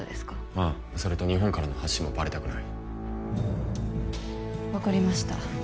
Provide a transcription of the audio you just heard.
ああそれと日本からの発信もバレたくない分かりました